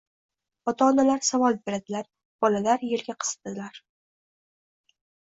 Ota-onalar savol beradilar – bolalar yelka qisadilar.